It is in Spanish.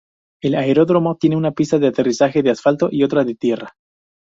El aeródromo tiene una pista de aterrizaje de asfalto, y otra de tierra.